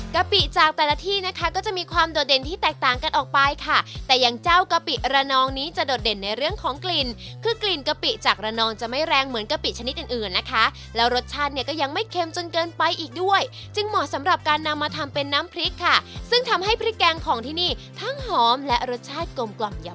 กปิจากแต่ละที่นะคะก็จะมีความโดดเด่นที่แตกต่างกันออกไปค่ะแต่อย่างเจ้ากะปิระนองนี้จะโดดเด่นในเรื่องของกลิ่นคือกลิ่นกะปิจากระนองจะไม่แรงเหมือนกะปิชนิดอื่นอื่นนะคะแล้วรสชาติเนี่ยก็ยังไม่เค็มจนเกินไปอีกด้วยจึงเหมาะสำหรับการนำมาทำเป็นน้ำพริกค่ะซึ่งทำให้พริกแกงของที่นี่ทั้งหอมและรสชาติกลมกล่อมย้อ